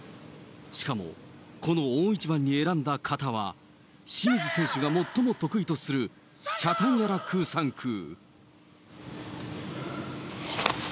しかもこの大一番に選んだ形は清水選手が最も得意とするチャタンヤラクーサンクー。